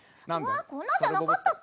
こんなんじゃなかったっけ？